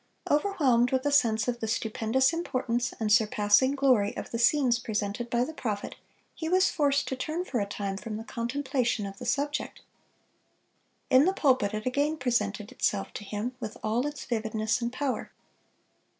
Overwhelmed with a sense of the stupendous importance and surpassing glory of the scenes presented by the prophet, he was forced to turn for a time from the contemplation of the subject. In the pulpit it again presented itself to him with all its vividness and power.